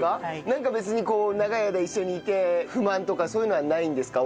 なんか別に長い間一緒にいて不満とかそういうのはないんですか？